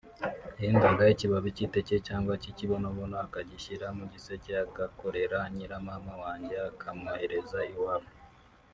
yendaga ikibabi cy’iteke cyangwa cy’ikibonobono akagishyira mu giseke agakorera nyiramama wanjye akamwohereza iwabo